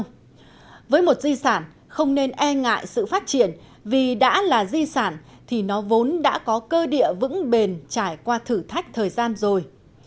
nhưng với một di sản không nên e ngại sự phát triển vì đã là di sản thì nó vốn đã có cơ địa vững bền trải qua thử thách thời gian rồi